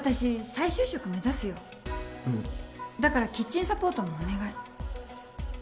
だからキッチンサポートもお願い。